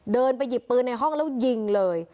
เดินไปหยิบปืนในห้องแล้วยิงเลย